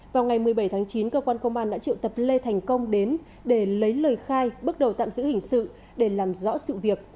vào ngày một mươi bảy tháng chín cơ quan công an đã triệu tập lê thành công đến để lấy lời khai bước đầu tạm giữ hình sự để làm rõ sự việc